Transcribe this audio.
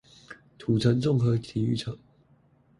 土城綜合體育場